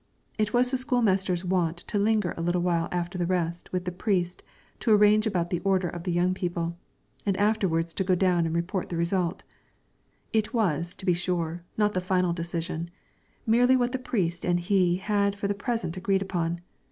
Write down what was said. It was the school master's wont to linger a little after the rest with the priest to arrange about the order of the young people, and afterwards to go down and report the result; it was, to be sure, not the final decision, merely what the priest and he had for the present agreed upon.